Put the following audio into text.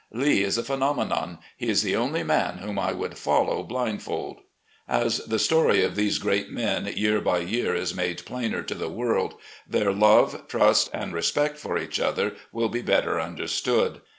Lee is a phenomenon. He is the only man whom I would follow blindfold." As the story of these great men year by year is made plainer to the world, their love, trust, and respect for each other will be better understood.